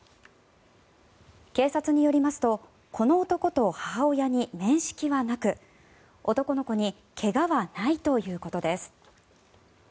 警察によりますとこの男と母親に面識はなく男の子に怪我はないということです。